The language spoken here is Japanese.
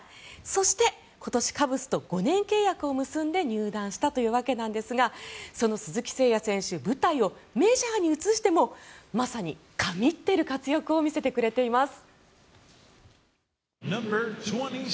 そして今年、カブスと５年契約を結んで入団したわけですがその鈴木誠也選手舞台をメジャーに移してもまさに神ってる活躍を見せてくれています。